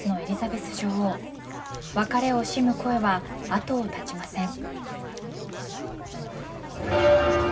別れを惜しむ声は後を絶ちません。